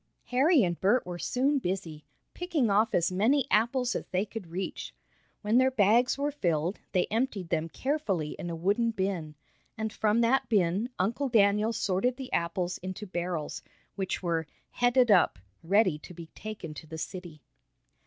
Harry and Bert were soon busy, picking off as many apples as they could reach. When their bags were filled, they emptied them carefully in a wooden bin, and from that bin Uncle Daniel sorted the apples into barrels, which were "headed up" ready to be taken to the city.